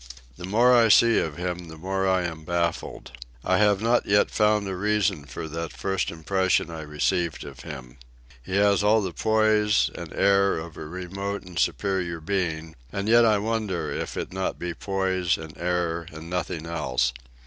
The more I see of him the more I am baffled. I have not yet found a reason for that first impression I received of him. He has all the poise and air of a remote and superior being, and yet I wonder if it be not poise and air and nothing else.